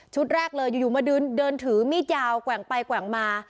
แรกเลยอยู่มาเดินถือมีดยาวแกว่งไปแกว่งมา